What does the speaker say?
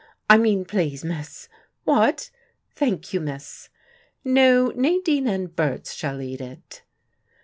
I mean, please, miss. What? Thank you, miss. No, Nadine and Berts shall lead it."